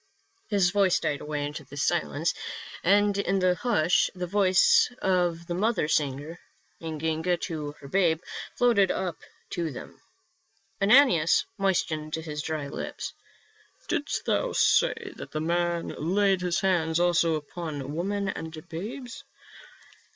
His voice died away into silence, and in the hush the voice of the mother singing to her babe floated up to them. Ananias moistened his dry lips. " Didst thou say that the man laid his hand also upon women and babes?"